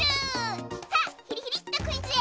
さあヒリヒリッとクイズへ！